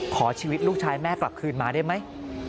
ขอชีวิตลูกชายแม่กลับคืนมาได้ไหม